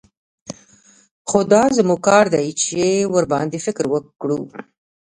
خو دا زموږ کار دى چې ورباندې فکر وکړو.